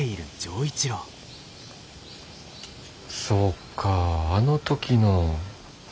そうかあの時の。